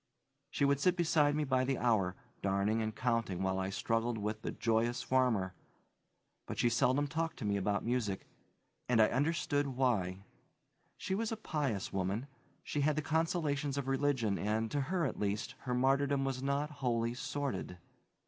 She would sit beside me by the hour, darning and counting while I struggled with the "Joyous Farmer," but she seldom talked to me about music, and I understood why. She was a pious woman; she had the consolations of religion and, to her at least, her martyrdom was not wholly sordid.